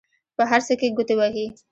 په هر څه کې ګوتې وهي.